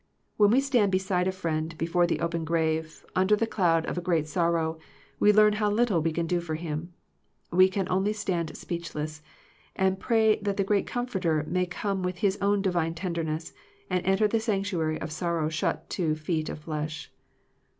When we stand beside a friend before the open grave, under the cloud of a great sorrow, we learn how little we can do for him. We can only stand speechless, and pray that the great Comforter may come with His own divine tenderness, and enter the sanctuary of sorrow shut to feet of flesh.